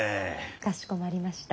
かしこまりました。